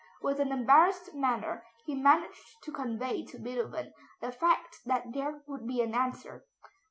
With an embarrassed manner, he managed to convey to Beethoven the fact that there would be an answer.